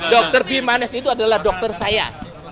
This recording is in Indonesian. dokter b manes itu adalah dokter saya